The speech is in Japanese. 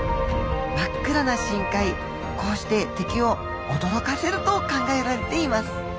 真っ暗な深海こうして敵を驚かせると考えられています。